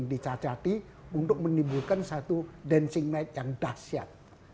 dicacati untuk menimbulkan satu dancing night yang dahsyat